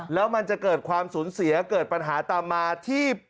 แล้วมันจะเกิดความสูญเสียเกิดปัญหาตามมาที่